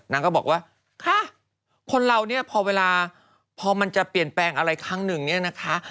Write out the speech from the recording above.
นางก็บอกว่าคนเราเนี่ยพอเวลาพอมันจะเปลี่ยนแปลงอะไรครั้งหนึ่งเนี่ยนะคะ